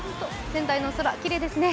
仙台の空、きれいですね。